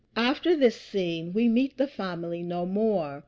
After this scene we meet the family no more.